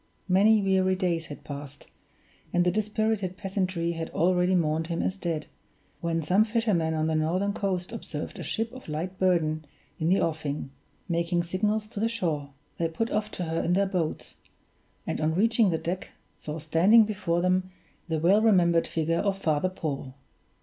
Many weary days had passed, and the dispirited peasantry had already mourned him as dead, when some fishermen on the northern coast observed a ship of light burden in the offing, making signals to the shore. They put off to her in their boats; and on reaching the deck saw standing before them the well remembered figure of Father Paul.